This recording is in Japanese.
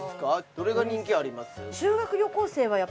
どれが人気あります？